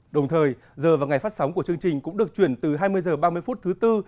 đồng thời giờ và ngày phát sóng của chương trình cũng được chuyển từ hai mươi h ba mươi phút thứ tư